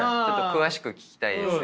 詳しく聞きたいですね。